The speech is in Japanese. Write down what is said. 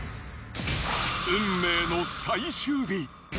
運命の最終日。